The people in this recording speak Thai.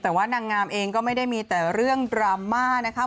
แต่ว่านางงามเองก็ไม่ได้มีแต่เรื่องดราม่านะคะ